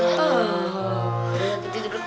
liat di dekat